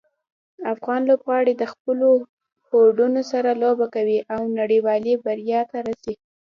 افغان لوبغاړي د خپلو هوډونو سره لوبه کوي او نړیوالې بریا ته رسي.